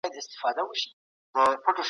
صابر شاه کابلی څوک و؟